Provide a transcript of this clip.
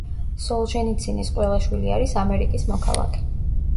სოლჟენიცინის ყველა შვილი არის ამერიკის მოქალაქე.